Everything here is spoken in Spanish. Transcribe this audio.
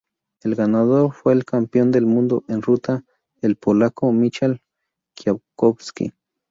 El ganador fue el campeón del mundo en ruta, el polaco Michał Kwiatkowski.